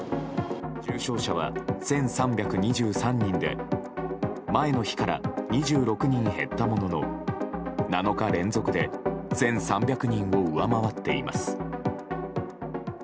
重症者は１３２３人で前の日から２６人減ったものの７日連続で１３００人を上回っています。